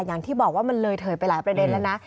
อย่างที่บอกว่ามันเลยเถิดไปหลายประเด็นแล้วนะ